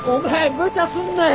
無茶すんなよ